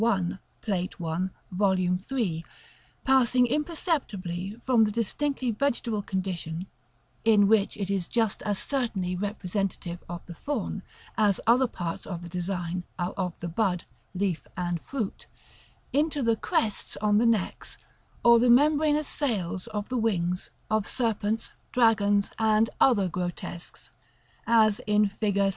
1, Plate I. Vol. III.), passing imperceptibly from the distinctly vegetable condition (in which it is just as certainly representative of the thorn, as other parts of the design are of the bud, leaf, and fruit) into the crests on the necks, or the membranous sails of the wings, of serpents, dragons, and other grotesques, as in Fig.